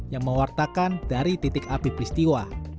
yang mewartakan dari titik api peristiwa